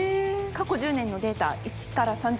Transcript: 過去１０年のデータ１から３着